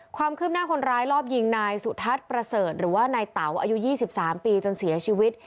ความคืบหน้าคนร้ายรอบยิงนายสุทัศน์ประเสริฐหรือว่านายเต๋าอายุ๒๓ปีจนเสียชีวิต